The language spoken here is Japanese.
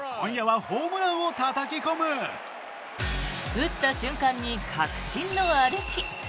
打った瞬間に確信の歩き。